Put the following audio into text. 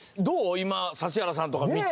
今指原さんとか見て。